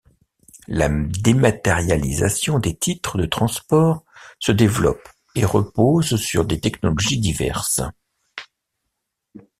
La dématérialisation des titres de transports se développe et repose sur des technologies diverses.